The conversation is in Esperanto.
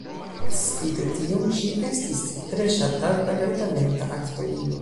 Spite tion, ŝi estis tre ŝatata kaj talenta aktorino.